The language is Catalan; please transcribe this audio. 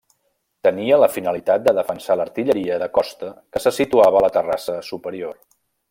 Tenia la finalitat de defensar l'artilleria de costa que se situava a la terrassa superior.